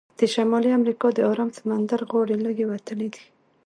د شمالي امریکا د ارام سمندر غاړې لږې وتلې دي.